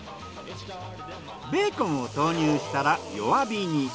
ベーコンを投入したら弱火に。